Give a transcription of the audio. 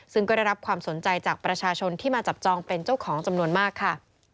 ซึ่งก็ได้รับความสนใจจากประชาชนที่มาจับจองเป็นเจ้าของจำนวนมากค่ะ